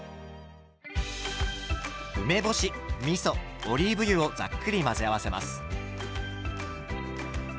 梅干しみそオリーブ油をざっくり混ぜ合わせます。